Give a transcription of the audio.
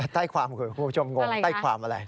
ใต้ความคุณผู้ชมงงใต้ความอะไร